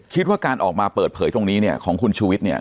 คิดว่าการออกมาเปิดเผยตรงนี้เนี่ยของคุณชูวิทย์เนี่ย